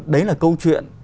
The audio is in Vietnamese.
đấy là câu chuyện